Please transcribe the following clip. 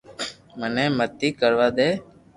مني متي ڪر وا دي